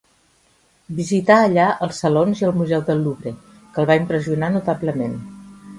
Visita allà els salons i el Museu del Louvre, que el va impressionar notablement.